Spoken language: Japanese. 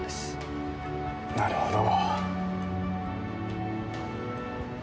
なるほど。